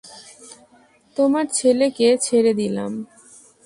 তোমার ছেলেকে ছেড়ে দিলাম।